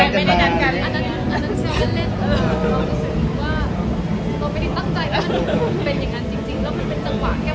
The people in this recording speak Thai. เหมือนไม่ได้ดำกัน